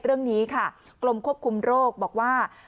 เรื่องนี้ค่ะกรมควบคุมโรคบอกว่า